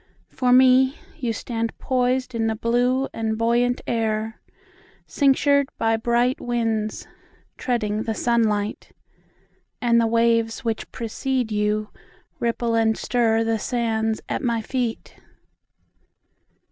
For me, You stand poisedIn the blue and buoyant air, Cinctured by bright winds, Treading the sunlight. And the waves which precede youRipple and stirThe sands at my feet.